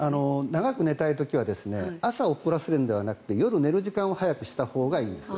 長く寝たい時は朝遅らせるんじゃなくて夜、寝る時間を早くしたほうがいいんです。